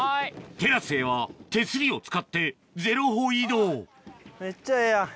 テラスへは手すりを使ってゼロ歩移動めっちゃええやん。